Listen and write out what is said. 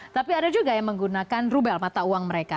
tapi ada juga yang menggunakan rubel mata uang mereka